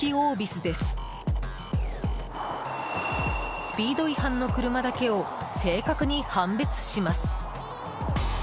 スピード違反の車だけを正確に判別します。